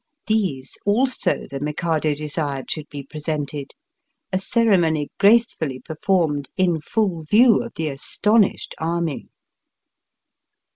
These also the Mikado desired should be presented, a ceremony gracefully performed in full view of the astonished army.